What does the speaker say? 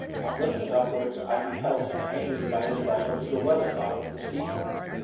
On looking upwards, I beheld him hanging by his bridle to the weathercock of the steeple.